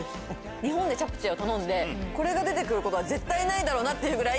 日本でチャプチェを頼んでこれが出て来ることは絶対ないだろうなっていうぐらい。